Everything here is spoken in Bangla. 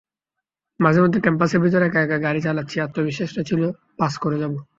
মাঝেমধ্যে ক্যাম্পাসের ভেতর একা একা গাড়ি চালাচ্ছি, আত্মবিশ্বাসটা ছিল পাস করে যাব।